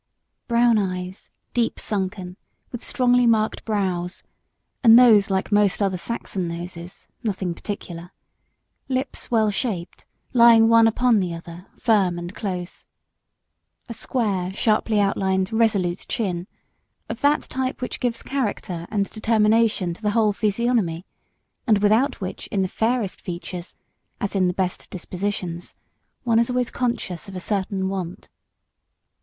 Brown eyes, deep sunken, with strongly marked brows, a nose like most other Saxon noses, nothing particular; lips well shaped, lying one upon the other, firm and close; a square, sharply outlined, resolute chin, of that type which gives character and determination to the whole physiognomy, and without which in the fairest features, as in the best dispositions, one is always conscious of a certain want.